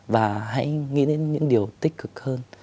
và hãy nghĩ đến những điều tích cực hơn